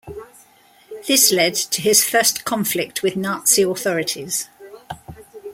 This led to his first conflict with Nazi authorities.